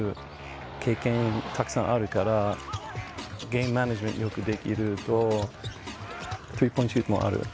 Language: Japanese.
経験がたくさんあるからゲームマネジメントがよくできるのとスリーポイントシュートもある。